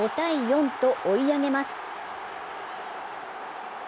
５−４と追い上げます。